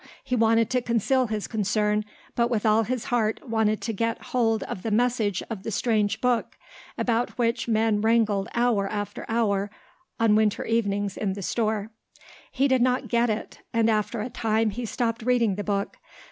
He wanted to conceal his concern but with all his heart wanted to get hold of the message of the strange book, about which men wrangled hour after hour on winter evenings in the store. He did not get it; and after a time he stopped reading the book.